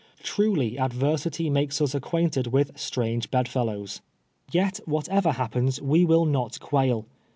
Truly adversity makes us acquainted with strange bedfellows. " Yet, whatever happens, we will not quail.